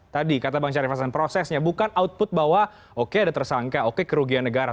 tadi kata bang syarif hasan prosesnya bukan output bahwa oke ada tersangka oke kerugian negara